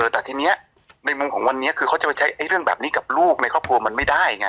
แต่ทีนี้ในมุมของวันนี้คือเขาจะไปใช้เรื่องแบบนี้กับลูกในครอบครัวมันไม่ได้ไง